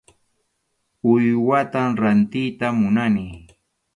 Uywatam rantiyta munani.